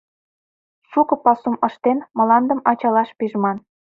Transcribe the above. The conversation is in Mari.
Шуко пасум ыштен, мландым ачалаш пижман...